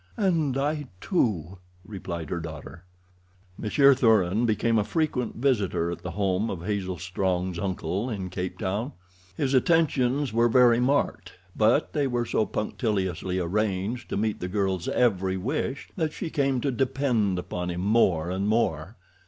"And I, too," replied her daughter. Monsieur Thuran became a frequent visitor at the home of Hazel Strong's uncle in Cape Town. His attentions were very marked, but they were so punctiliously arranged to meet the girl's every wish that she came to depend upon him more and more.